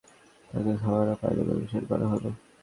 তাকে খাবার ও পানীয় পরিবেশন করা হল।